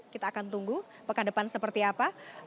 kita akan tunggu pekan depan seperti apa